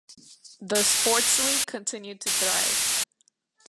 The sports leagues continued to thrive.